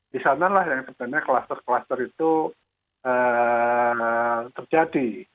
di sanalah yang sebenarnya kluster kluster itu terjadi